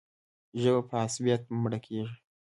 ژبه په عصبیت مړه کېږي.